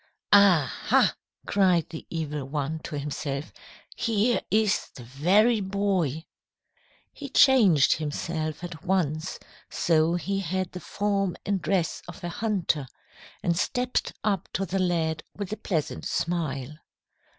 "'Ah ha!' cried the Evil One to himself, 'here is the very boy.' "He changed himself at once so he had the form and dress of a hunter, and stepped up to the lad with a pleasant smile.